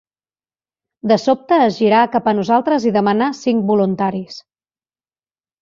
De sobte es girà cap a nosaltres i demanà cinc voluntaris